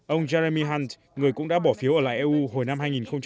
ông jeremy hunt người cũng đã bỏ phiếu ở lại eu hồi năm hai nghìn một mươi